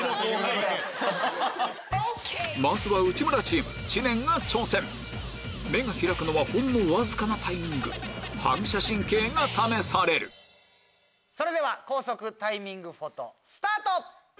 まずは内村チーム目が開くのはほんのわずかなタイミング反射神経が試されるそれでは高速タイミングフォトスタート！